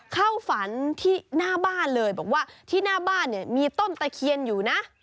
เข้าฝันที่หน้าบ้านเลยบอกว่าที่หน้าบ้านเนี่ยมีต้นตะเคียนอยู่นะ